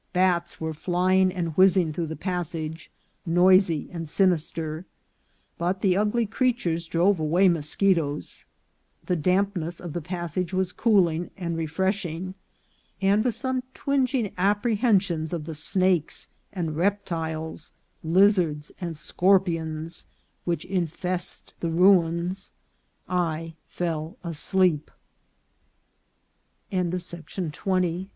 Bats were flying and whizzing through the passage, noisy and sinister ; but the ugly creatures drove away mosche toes. The dampness of the passage was cooling and refreshing ; and, with some twinging apprehensions of the snakes and reptiles, lizards and scorpions, which in